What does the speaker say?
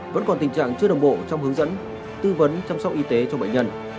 vẫn còn tình trạng chưa đồng bộ trong hướng dẫn tư vấn chăm sóc y tế cho bệnh nhân